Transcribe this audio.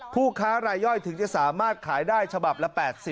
ผู้ค้ารายย่อยถึงจะสามารถขายได้ฉบับละ๘๐